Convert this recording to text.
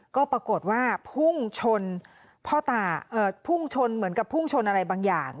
ก็ปรากฏว่าพุ่งชนพ่อตาพุ่งชนเหมือนกับพุ่งชนอะไรบางอย่าง